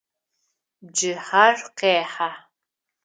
Бжыхьэр къехьэ.